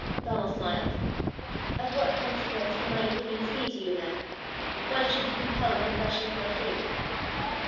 Donald smiled. "Of what consequence can my opinions be to you, ma'am? Why should you compel a confession of my faith?"